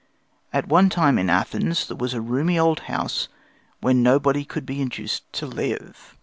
At one time in Athens there was a roomy old house where nobody could be induced to live.